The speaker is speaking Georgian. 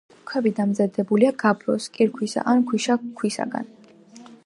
ქვები დამზადებულია გაბროს, კირქვისა ან ქვიშაქვისაგან.